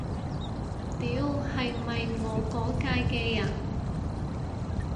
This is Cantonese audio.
屌，係咪我嗰屆嘅人